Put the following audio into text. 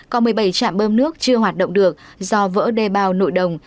có một mươi bảy trạm bơm nước chưa hoạt động được do vỡ đề bao nội đồng